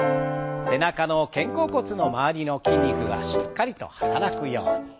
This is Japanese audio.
背中の肩甲骨の周りの筋肉がしっかりと働くように。